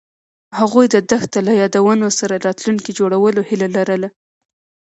هغوی د دښته له یادونو سره راتلونکی جوړولو هیله لرله.